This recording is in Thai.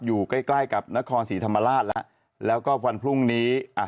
อยู่ใกล้กับนครศรีธรรมราชแล้วก็วันพรุ่งนี้